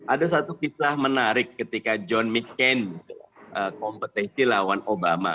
ada satu kisah menarik ketika john mccain kompetisi lawan obama